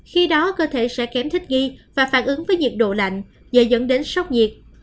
khi đó cơ thể sẽ kém thích nghi và phản ứng với nhiệt độ lạnh dễ dẫn đến sốc nhiệt